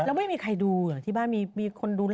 แล้วไม่มีใครดูเหรอที่บ้านมีคนดูแล